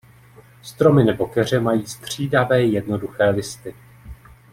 Stromy nebo keře mají střídavé jednoduché listy.